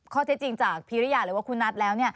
ข้อเท็จจริงจากพิริญญาณเลยว่าคุณนัดแล้ว